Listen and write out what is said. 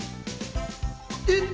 え？